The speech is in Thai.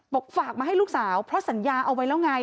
ฝากมาให้ลูกสาวเพราะสัญญาเอาไว้แล้วไง